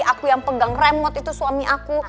aku yang pegang remot itu suami aku